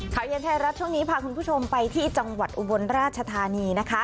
ข่าวเย็นไทยรัฐช่วงนี้พาคุณผู้ชมไปที่จังหวัดอุบลราชธานีนะคะ